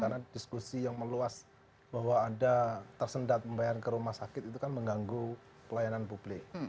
karena diskusi yang meluas bahwa ada tersendat pembayaran ke rumah sakit itu kan mengganggu pelayanan publik